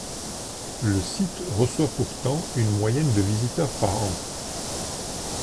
Le site reçoit pourtant une moyenne de visiteurs par an.